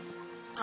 あ。